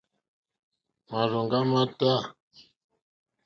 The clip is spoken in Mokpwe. Màrzòŋɡá má tâ.